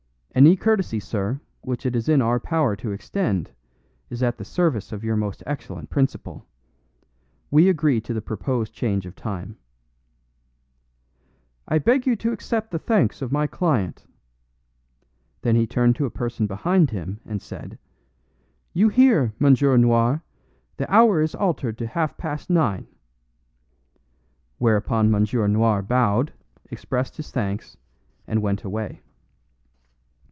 "Any courtesy, sir, which it is in our power to extend is at the service of your excellent principal. We agree to the proposed change of time." "I beg you to accept the thanks of my client." Then he turned to a person behind him, and said, "You hear, M. Noir, the hour is altered to half past nine." Whereupon M. Noir bowed, expressed his thanks, and went away.